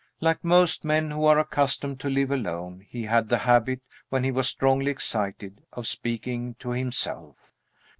Like most men who are accustomed to live alone, he had the habit, when he was strongly excited, of speaking to himself.